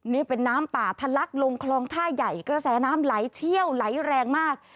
นี่เป็นน้ำป่าทะลักลงคลองท่าใหญ่กระแสน้ำไหลเชี่ยวไหลแรงมาก